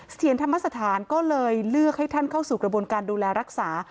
เทียนธรรมสถานก็เลยเลือกให้ท่านเข้าสู่กระบวนการดูแลรักษา